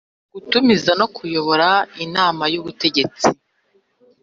gutumiza no kuyobora inama y’ubutegetsi